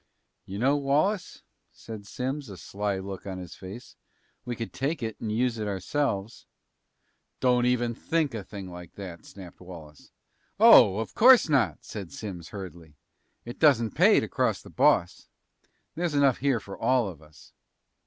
"You know, Wallace," said Simms, a sly look on his face, "we could take it and use it ourselves " "Don't even think a thing like that!" snapped Wallace. "Oh, of course not," said Simms hurriedly. "It doesn't pay to cross the boss. There's enough here for all of us."